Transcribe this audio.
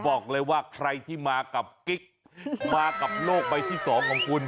บอกเลยว่าใครที่มากับกิ๊กมากับโลกใบที่๒ของคุณ